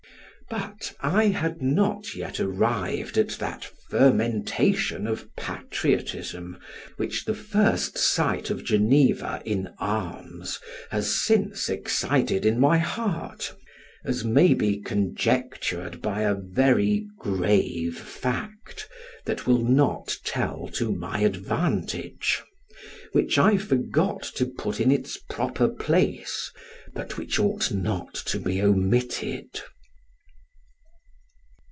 But I had not yet arrived at that fermentation of patriotism which the first sight of Geneva in arms has since excited in my heart, as may be conjectured by a very grave fact that will not tell to my advantage, which I forgot to put in its proper place, but which ought not to be omitted.